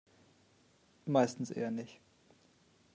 Meistens eher nicht.